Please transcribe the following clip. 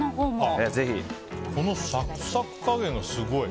このサクサク加減がすごい。